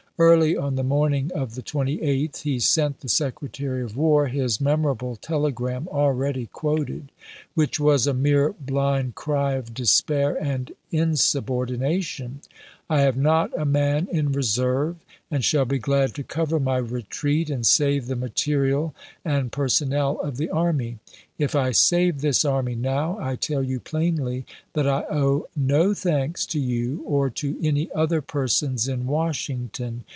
Early on the morn ing of the 28th he sent the Secretary of War his memorable telegram already quoted, which was a mere blind cry of despair and insubordination :" I have not a man in reserve, and shall be glad to cover my retreat and save the material and person 1 /. y Ta T ' McClellan nel of the army. .. If I save this army now, I ^^^j^^^^^^g""' tell you plainly that I owe no thanks to you or to i2:2o'^a. m. any other persons in Washington.